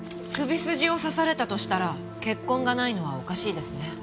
首筋を刺されたとしたら血痕がないのはおかしいですね。